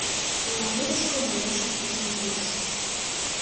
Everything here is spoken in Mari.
Унагудышко Маняша куржын пурыш.